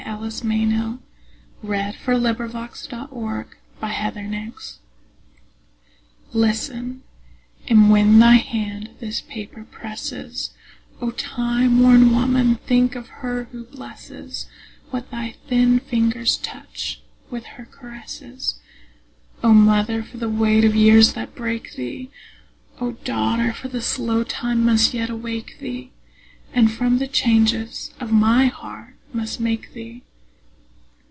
S T . U V . W X . Y Z A Letter from a Girl to Her Own Old Age LISTEN, and when thy hand this paper presses, O time worn woman, think of her who blesses What thy thin fingers touch, with her caresses. O mother, for the weight of years that break thee! O daughter, for slow time must yet awake thee, And from the changes of my heart must make thee!